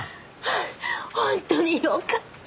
本当によかった。